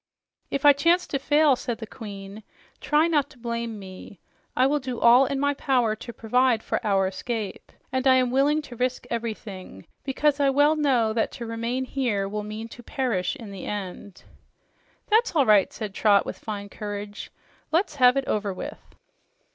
"If I chance to fail," said the Queen, "try not to blame me. I will do all in my power to provide for our escape, and I am willing to risk everything, because I well know that to remain here will mean to perish in the end." "That's all right," said Trot with fine courage. "Let's have it over with."